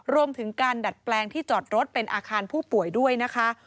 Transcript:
รวมถึงการดัดแปลงที่จอดรถเป็นอาคารผู้ป่วยด้วยนะคะ